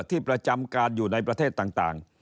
ที่ประจำการอยู่ในประเทศต่าง